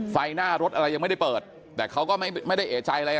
ไฟหน้ารถอะไรยังไม่ได้เปิดแต่เขาก็ไม่ได้เอกใจอะไรอ่ะ